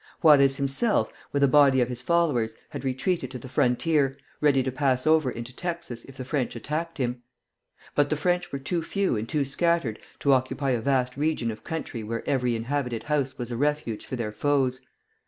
Juarez himself, with a body of his followers, had retreated to the frontier, ready to pass over into Texas if the French attacked him. But the French were too few and too scattered to occupy a vast region of country where every inhabited house was a refuge for their foes.